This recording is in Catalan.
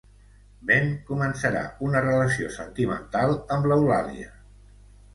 Ben començarà una relació sentimental amb l'Eulàlia.